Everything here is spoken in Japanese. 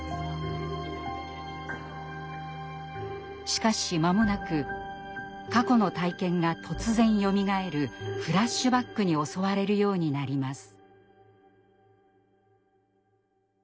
しかし間もなく過去の体験が突然よみがえるフラッシュバックに襲われるようになります。